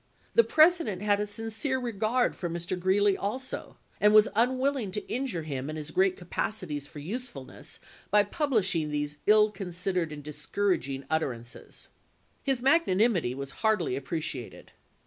The President had a sincere regard for Mr. Greeley also, and was unwilling to injure him and his great capacities for usefulness by pub lishing these ill considered and discouraging utter ances. His magnanimity was hardly appreciated.